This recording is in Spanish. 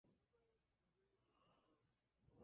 El Senado pronto tuvo que aprobar la elección.